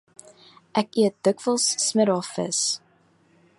Ek eet dikwels smiddae vis